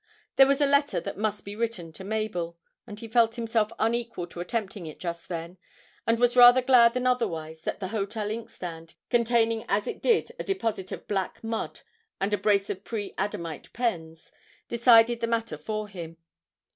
There was a letter that must be written to Mabel, but he felt himself unequal to attempting it just then, and was rather glad than otherwise that the hotel inkstand, containing as it did a deposit of black mud and a brace of pre Adamite pens, decided the matter for him.